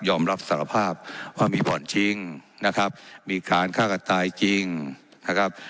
รับสารภาพว่ามีบ่อนจริงนะครับมีการฆ่ากันตายจริงนะครับ